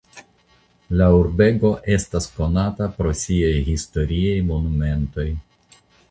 La urbego estas konata pro siaj historiaj monumentoj.